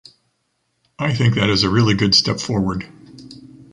I think that is a really good step forward.